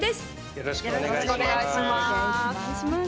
よろしくお願いします。